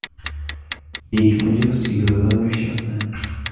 Jejich manželství bylo velmi šťastné.